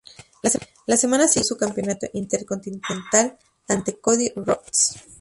La semana siguiente perdió su Campeonato Intercontinental ante Cody Rhodes.